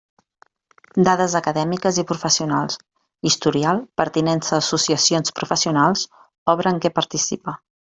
Dades acadèmiques i professionals: historial, pertinença a associacions professionals, obra en què participa.